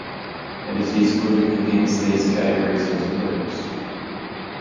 It is useful to condense these categories into groups.